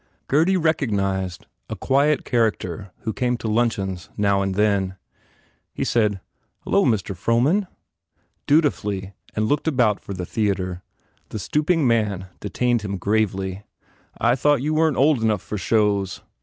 Gurdy recognized a quiet character who came to luncheons now and then. He said, "H lo, Mr. Frohman," dutifully and looked about for the theatre. The stooping man detained him gravely. "I thought you weren t old enough for shows."